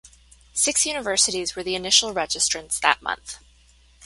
Six universities were the initial registrants that month.